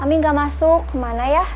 kami gak masuk kemana ya